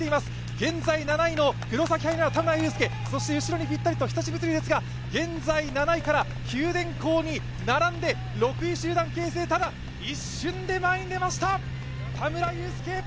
現在７位の黒崎播磨・田村友佑、後ろにぴったりと日立物流ですが九電工に並んで６位集団形成、ただ、一瞬で前に出ました、田村友佑。